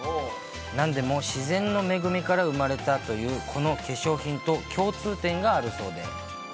なんでも、自然の恵みから生まれたというこの化粧品と共通点があるそうで。